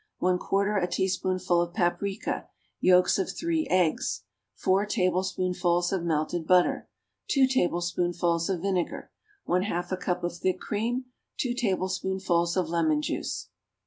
1/4 a teaspoonful of paprica. Yolks of 3 eggs. 4 tablespoonfuls of melted butter. 2 tablespoonfuls of vinegar. 1/2 a cup of thick cream. 2 tablespoonfuls of lemon juice.